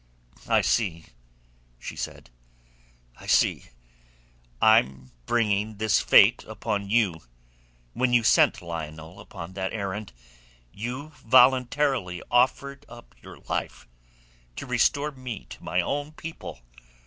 "I see," she said. "I see. I am bringing this fate upon you. When you sent Lionel upon that errand you voluntarily offered up your life to restore me to my own people.